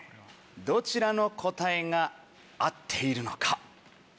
どちらの答えが合っているのか。